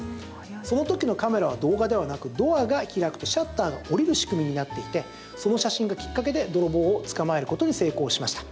その時のカメラは、動画ではなくドアが開くとシャッターが下りる仕組みになっていてその写真がきっかけで泥棒を捕まえることに成功しました。